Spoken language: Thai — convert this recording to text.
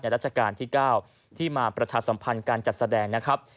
รัชกาลที่๙ที่มาประชาสัมพันธ์การจัดแสดงนะครับ